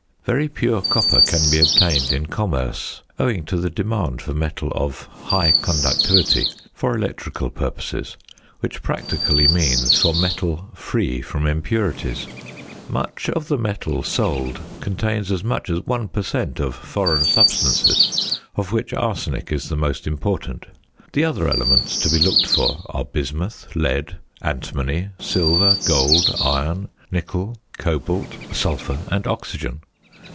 Very pure copper can be obtained in commerce, owing to the demand for metal of "high conductivity" for electrical purposes, which practically means for metal free from impurities. Much of the metal sold contains as much as one per cent. of foreign substances, of which arsenic is the most important. The other elements to be looked for are bismuth, lead, antimony, silver, gold, iron, nickel, cobalt, sulphur, and oxygen.